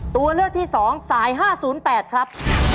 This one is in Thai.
ตัวเลือกที่๒สาย๕๐๘ครับ